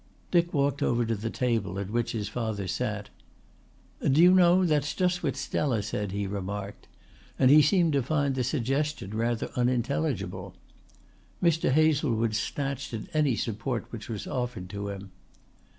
Dick walked over to the table at which his father sat. "Do you know, that's just what Stella said," he remarked, and he seemed to find the suggestion rather unintelligible. Mr. Hazlewood snatched at any support which was offered to him.